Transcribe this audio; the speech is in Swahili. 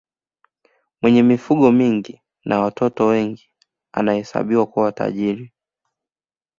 mwenye mifugo mingi na watoto wengi anahesabiwa kuwa tajiri